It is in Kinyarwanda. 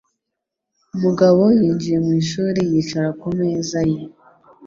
Mugabo yinjiye mu ishuri yicara ku meza ye.